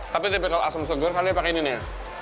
tapi typical asam seger kalian pakai ini nih